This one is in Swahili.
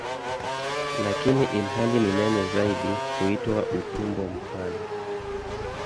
Lakini ilhali ni nene zaidi huitwa "utumbo mpana".